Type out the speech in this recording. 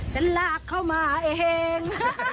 ฉันลากเข้ามาเอง